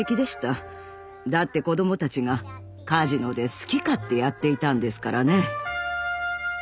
だって子供たちがカジノで好き勝手やっていたんですからね。